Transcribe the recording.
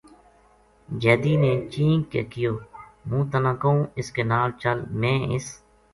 جیدی نے چِینک کے کہیو ہوں تنا کہوں اس کے نال چل میں اس